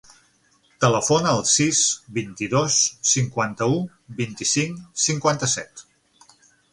Telefona al sis, vint-i-dos, cinquanta-u, vint-i-cinc, cinquanta-set.